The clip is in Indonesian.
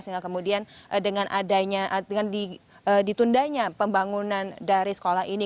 sehingga kemudian dengan ditundanya pembangunan dari sekolah ini